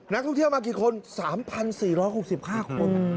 นักท่องเที่ยวมากี่คน๓๔๖๕คน